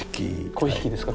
粉引ですか？